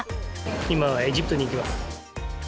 今からエジプトに行きます。